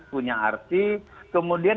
punya arti kemudian